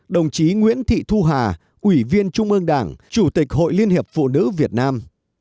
ba mươi bốn đồng chí nguyễn thị thu hà ủy viên trung ương đảng chủ tịch hội liên hiệp phụ nữ việt nam